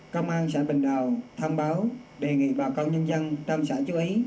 công an xã bình đào thông báo đề nghị bà con nhân dân trong xã chú ý